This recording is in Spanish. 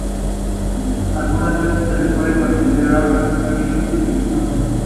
Algunas veces se la puede considerar repetición inútil y viciosa.